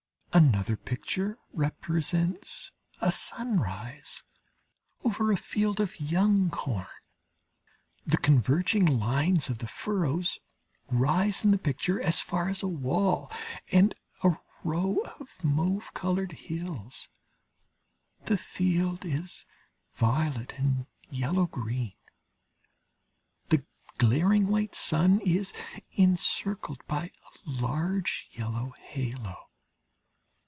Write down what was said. Another picture represents a sunrise over a field of young corn, the converging lines of the furrows rise in the picture as far as a wall and a row of mauve coloured hills the field is violet and yellow green. The glaring white sun is encircled by a large yellow halo.